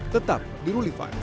tetap di rulifans